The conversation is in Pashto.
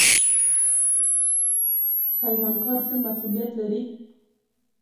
پیمانکار څه مسوولیت لري؟